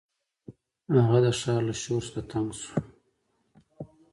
هغه د ښار له شور څخه تنګ شو.